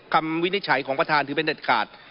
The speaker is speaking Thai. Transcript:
วินิจฉัยของประธานถือเป็นเด็ดขาด